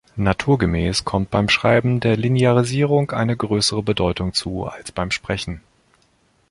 Naturgemäß kommt beim Schreiben der Linearisierung eine größere Bedeutung zu als beim Sprechen.